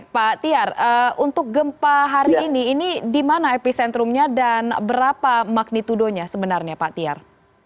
pak tiar untuk gempa hari ini ini di mana epicentrumnya dan berapa magnitudonya sebenarnya pak tiar